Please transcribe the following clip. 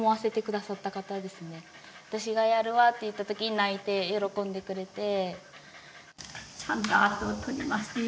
私がやるわって言ったときに泣いて喜んでくれて。